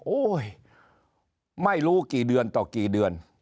ไม่รู้กี่เดือนต่อกี่เดือน